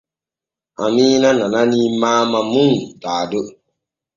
Amiina nananii Maama mum Dado.